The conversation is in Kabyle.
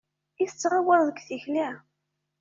I tettɣawaleḍ deg tikli!